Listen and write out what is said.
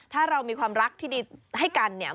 ถ้าเรามีความรักที่ดีให้กันเนี่ย